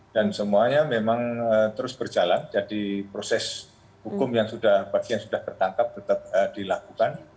dan semuanya memang terus berjalan jadi proses hukum yang sudah bagian sudah tertangkap tetap dilakukan